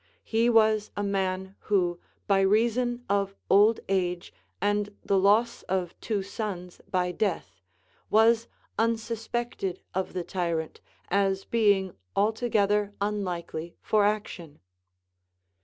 He was a man who, by reason of old age and the loss of two sons by death, was unsuspected of the tyrant, as being altogether unlikely for action.